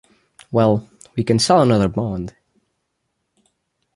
Well, we can sell another bond.